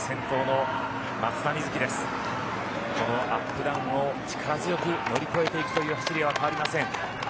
このアップダウンを力強く乗り越えていくという走りは変わりません。